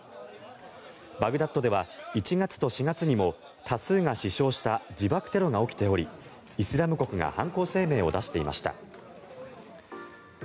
バグダッドでは１月と４月にも多数が死傷した自爆テロが起きておりイスラム国が犯行声明を出していました。